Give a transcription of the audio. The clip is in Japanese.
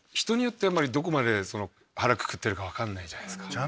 人によってどこまで腹くくってるか分かんないじゃないですか。